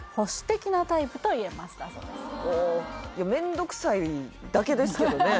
面倒くさいだけですけどね